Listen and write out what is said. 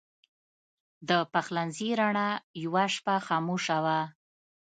د پخلنځي رڼا یوه شپه خاموشه وه.